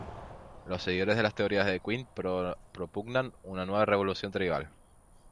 Los seguidores de las teorías de Quinn propugnan una "nueva revolución tribal".